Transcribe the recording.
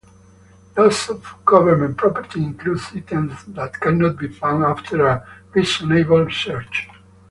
Loss of Government property includes items that cannot be found after a reasonable search;